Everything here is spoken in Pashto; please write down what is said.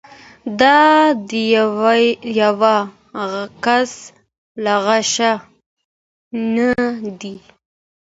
دا د یوه کس لغزش نه دی.